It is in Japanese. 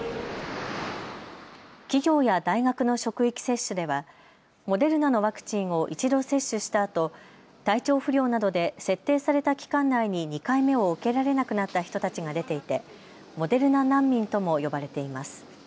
企業や大学の職域接種ではモデルナのワクチンを一度、接種したあと体調不良などで設定された期間内に２回目を受けられなくなった人たちが出ていてモデルナ難民とも呼ばれています。